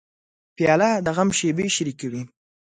پیاله د غم شېبې شریکوي.